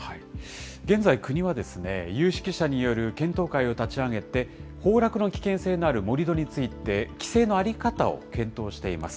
現在、国は、有識者による検討会を立ち上げて、崩落の危険性のある盛り土について、規制の在り方を検討しています。